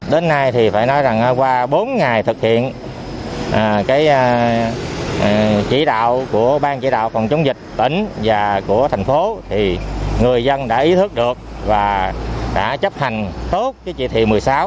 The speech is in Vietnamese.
trong thời gian chỉ đạo của bang chỉ đạo phòng chống dịch tỉnh và của thành phố thì người dân đã ý thức được và đã chấp hành tốt cái chỉ thị một mươi sáu